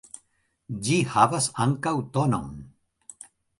Ĝi havas ankaŭ tonon.